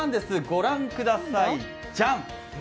ご覧ください、ジャン！